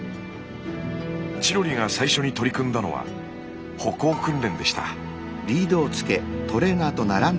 チロリが最初に取り組んだのは歩行訓練でした。